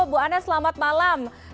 bu ana selamat malam